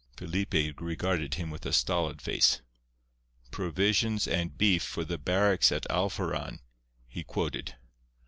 Felipe regarded him with a stolid face. "Provisions and beef for the barracks at Alforan," he quoted.